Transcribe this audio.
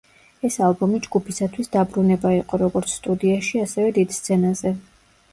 ეს ალბომი ჯგუფისათვის დაბრუნება იყო როგორც სტუდიაში, ასევე დიდ სცენაზე.